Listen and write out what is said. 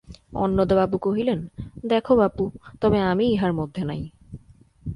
অন্নদাবাবু কহিলেন, দেখো বাপু, তবে আমি ইহার মধ্যে নাই।